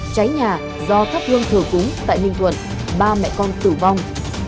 cháy nhà do thắp hương thừa cúng tại ninh tuần ba mẹ con tử vong